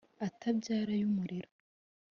atábyara y umuriro